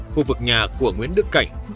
khu vực nhà của nguyễn đức cảnh